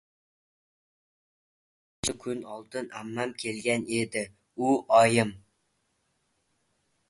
Besh-olti kun oldin ammam kelgan edi. U oyim